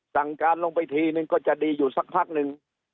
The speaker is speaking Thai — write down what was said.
สั่งการลงไปทีนึงก็จะดีอยู่สักพักหนึ่ง